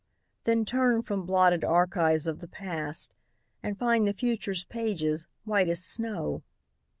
Then turn from blotted archives of the past, And find the future's pages white as snow.